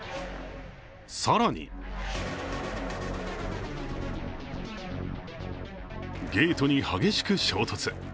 更にゲートに激しく衝突。